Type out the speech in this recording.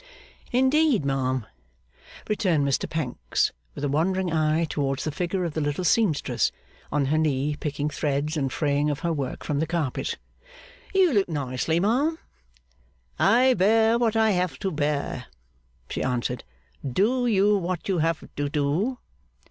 'Indeed, ma'am?' returned Mr Pancks, with a wandering eye towards the figure of the little seamstress on her knee picking threads and fraying of her work from the carpet. 'You look nicely, ma'am.' 'I bear what I have to bear,' she answered. 'Do you what you have to do.